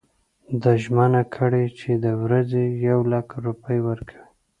ده ژمنه کړې چې د ورځي یو لک روپۍ ورکوي.